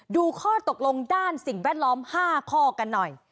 ดูข้อตกลงด้านสิ่งแวดล้อม๕ข้อกันหน่อย